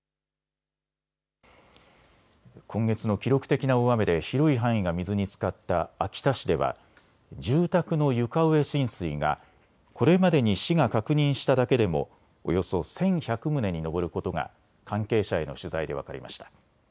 今月の記録的な大雨で広い範囲が水につかった秋田市では住宅の床上浸水がこれまでに市が確認しただけでもおよそ１１００棟に上ることが関係者への取材で分かりました。